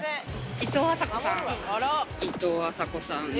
いとうあさこさん。